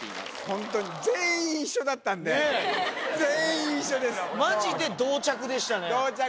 ホントに全員一緒だったんで全員一緒ですマジで同着でしたね同着